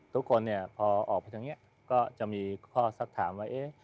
ทุกคนเนี่ยพอออกไปทางนี้ก็จะมีข้อสักถามว่า